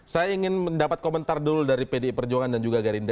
saya ingin mendapat komentar dulu dari pdi perjuangan dan juga gerindra